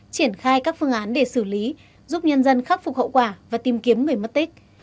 triển khai các phương án để xử lý giúp nhân dân khắc phục hậu quả và tìm kiếm người mất tích